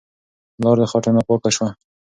لار د خټو نه پاکه شوه.